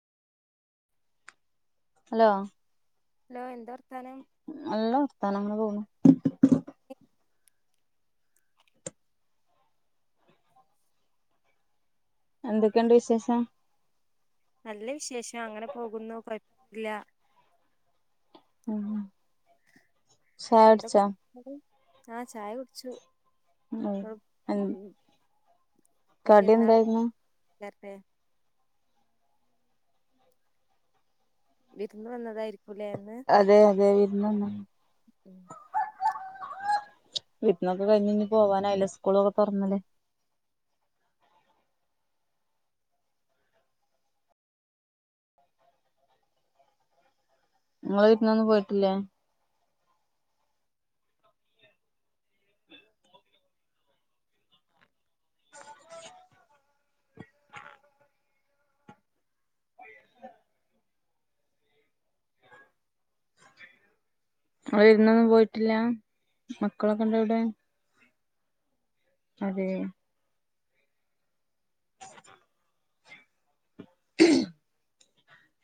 hello hello എന്താവ നല്ല വർത്താനം അങ്ങനെ പോണു [inaudible] എന്തൊക്കെയുണ്ട് വിശേഷം നല്ല വിശേഷം അങ്ങനെ പോകുന്നു കുഴപ്പല്ല മ് എന്തൊക്കെ കുത്തുന്നടെ ആഹ് ചായ കുടിച്ചു ആ ഉം ഉം കടി വല്ല്യപെരുന്നളാ എന്തായിരുന്നു നേ പെ വീരുന്ന് വന്നതായിരി അതെ അതെ ന്ന് ന്ന് [unintelligible] വീട്ടിന്നൊക്കെ [unintelligible] ന്നൊന്നും പോവാനായില്ല സ്കൂളൊക്കെ തുറന്നല്ലേ നിങ്ങള് വീട്ടിനൊന്നും പോയിട്ടില്ലേ അവര് വിരുന്നൊന്നും പോയിട്ടില്ല മക്കളൊക്കെ ഇണ്ടോ ഇവിടെ അതേ [unintelligible]